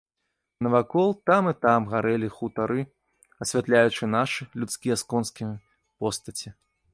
Навакол там і там гарэлі хутары, асвятляючы нашы, людскія з конскімі, постаці.